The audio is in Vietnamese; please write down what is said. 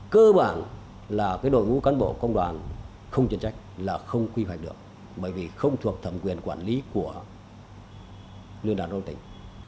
cơ bản là đội ngũ cán bộ công đoàn không chuyên trách là không quy hoạch được bởi vì không thuộc thẩm quyền quản lý của liên đoàn công tỉnh